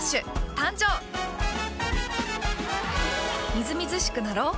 みずみずしくなろう。